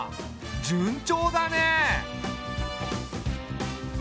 順調だね。